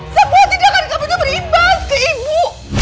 semua tindakan kamu itu berimbas ke ibu